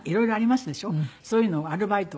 そういうのをアルバイト